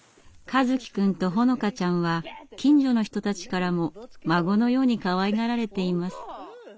和希くんと穂乃香ちゃんは近所の人たちからも孫のようにかわいがられています。